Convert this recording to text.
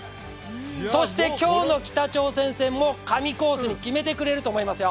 そして今日の北朝鮮戦も神コースに決めてくれると思いますよ